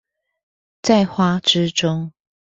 在花之中